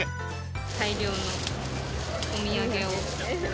大量のお土産を。